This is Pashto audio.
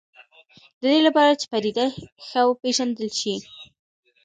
د دې لپاره چې پدیده ښه وپېژندل شي.